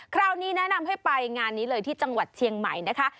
คราวนี้แนะนำให้ไปงานนี้เลยที่จังหวัดเชียงใหม่นะคะ